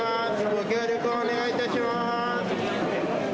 ご協力をお願いいたします。